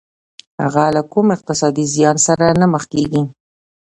هغه له کوم اقتصادي زيان سره نه مخ کېږي.